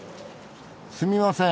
すみません。